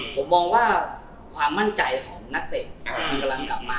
ผมมองว่าความมั่นใจของนักเตะมันกำลังกลับมา